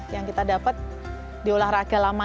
yang kita dapat diolahraga lama